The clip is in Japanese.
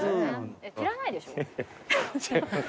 知らないでしょ？